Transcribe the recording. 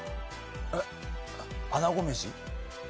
えっあなごめし。